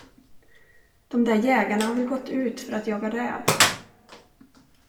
De där jägarna har väl gått ut för att jaga räv.